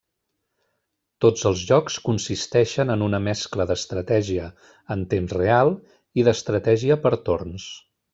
Tots els jocs consisteixen en una mescla d'estratègia en temps real i d'estratègia per torns.